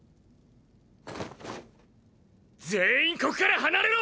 全員ここから離れろ！！